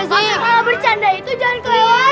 kalau bercanda itu jangan kelewat